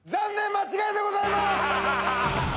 間違いでございます。